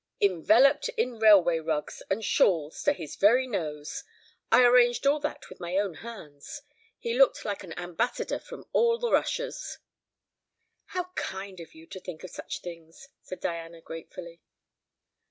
"Enveloped in railway rugs and shawls to his very nose. I arranged all that with my own hands. He looked like an ambassador from all the Russias." "How kind of you to think of such things!" said Diana gratefully.